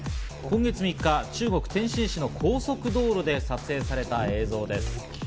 今月３日、中国・天津市の高速道路で撮影された映像です。